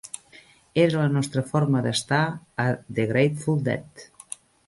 Era la nostra forma d'estar a The Grateful Dead.